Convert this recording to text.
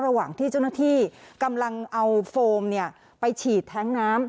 ระหว่างที่เจ้าหน้าที่กำลังเอาโฟมไปฉีดแท้งน้ำ